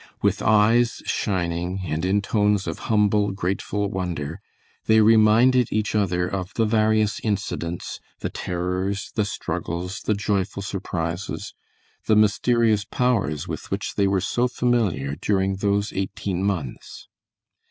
With eyes shining, and in tones of humble, grateful wonder they reminded each other of the various incidents, the terrors, the struggles, the joyful surprises, the mysterious powers with which they were so familiar during those eighteen months.